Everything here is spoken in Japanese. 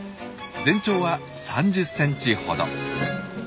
全長は３０センチほど。